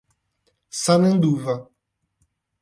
Sananduva